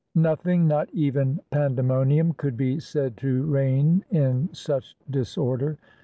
Nothing, not even pande monium, could be said to reign in such disorder.